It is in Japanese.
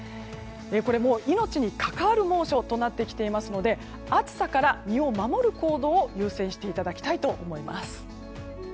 これ、命に関わる猛暑となってきていますので暑さから身を守る行動を優先していただきたいと思います。